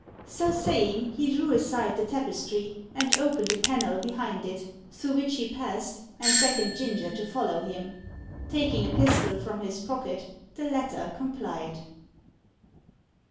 So saying, he drew aside the tapestry, and opened a panel behind it, through which he passed, and beckoned Ginger to follow him. Taking a pistol from his pocket, the latter complied.